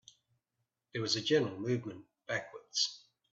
There was a general movement backwards.